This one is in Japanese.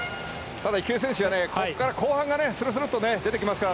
ただ池江選手は後半はするすると出てきますから。